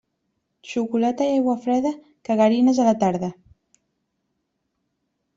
Xocolata i aigua freda, cagarines a la tarda.